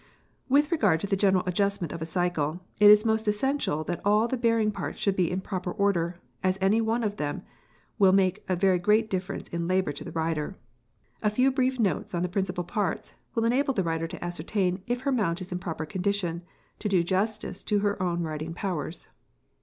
p> With regard to the general adjustment of a cycle, it is most essential that all the bearing parts should be in proper order, as any one ofthem will make a very great difference in labour to the rider. A few brief notes on the principal parts will enable the rider to ascertain if her mount is in proper condition to do justice to her own riding powers.